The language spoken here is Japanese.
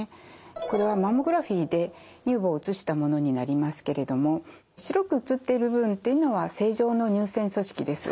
これはマンモグラフィーで乳房を写したものになりますけれども白く写っている部分というのは正常の乳腺組織です。